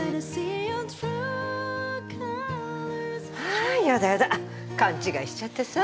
あやだやだかんちがいしちゃってさ。